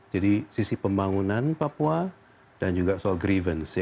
jadi sisi pembangunan papua dan juga soal grievance